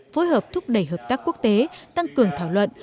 phối hợp thúc đẩy hợp tác quốc tế tăng cường thảo luận